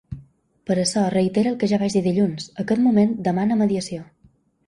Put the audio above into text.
Per això reitero el que ja vaig dir dilluns: aquest moment demana mediació.